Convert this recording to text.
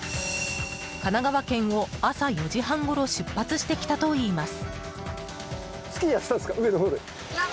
神奈川県を朝４時半ごろ出発してきたといいます。